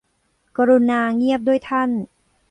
กรุณาเงียบด้วยท่าน